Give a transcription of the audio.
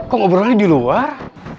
kok ngobrol aja di luar